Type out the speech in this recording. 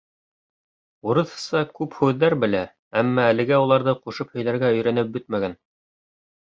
Урыҫса күп һүҙҙәр белә, әммә әлегә уларҙы ҡушып һөйләргә өйрәнеп бөтмәгән.